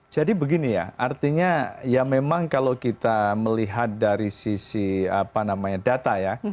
jadi begini ya artinya ya memang kalau kita melihat dari sisi data ya